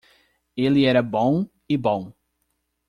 Ele era bom e bom.